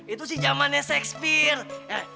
itu sih zamannya shakespeare